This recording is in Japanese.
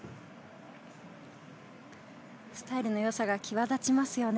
スタイルのよさが際立ちますよね。